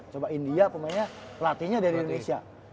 coba india pemainnya latihnya dari indonesia